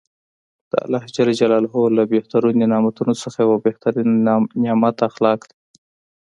د الله ج له بهترینو نعمتونوڅخه یو بهترینه نعمت اخلاق دي .